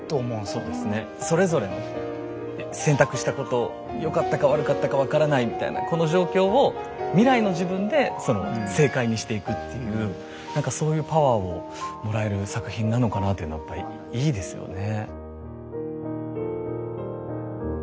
そうですねそれぞれの選択したことよかったか悪かったか分からないみたいなこの状況を何かそういうパワーをもらえる作品なのかなっていうのはやっぱりいいですよね。